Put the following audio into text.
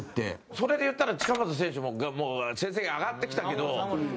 それで言ったら、近本選手も成績が上がってきたけど。